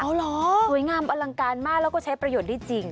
สวยงามอลังการมากแล้วก็ใช้ประโยชน์ได้จริง